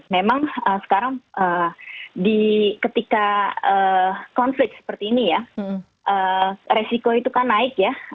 memang sekarang ketika konflik seperti ini ya resiko itu kan naik ya